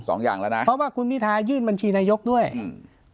สองอย่างแล้วนะเพราะว่าคุณพิทายื่นบัญชีนายกด้วยอืม